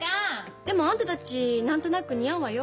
でもあんたたち何となく似合うわよ。